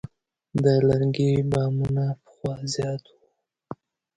د لرګي بامونه پخوا زیات وو.